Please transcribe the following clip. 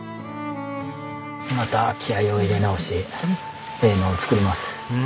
また気合を入れ直してええもんを作ります。